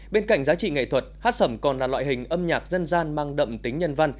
bên cạnh giá trị nghệ thuật hát sẩm còn là loại hình âm nhạc dân gian mang đậm tính nhân văn